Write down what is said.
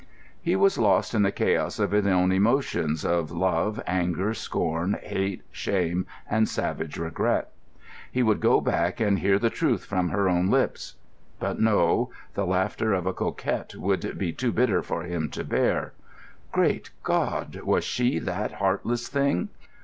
He was lost in the chaos of his own emotions, of love, anger, scorn, hate, shame, and savage regret. He would go back and hear the truth from her own lips. But no, the laughter of a coquette would be too bitter for him to bear. Great God! was she that heartless thing?